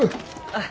あっ。